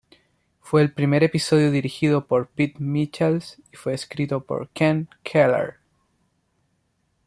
Fue el primer episodio dirigido por Pete Michels y fue escrito por Ken Keeler.